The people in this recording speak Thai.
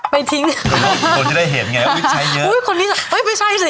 ไปทิ้งคนที่ได้เห็นไงอุ้ยใช้เยอะอุ้ยคนนี้อุ้ยไม่ใช่สิ